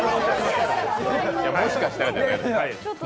もしかしたらじゃないのよ。